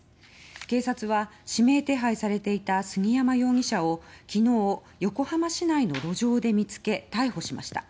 警察は指名手配されていた杉山容疑者を昨日、横浜市内の路上で見つけ逮捕しました。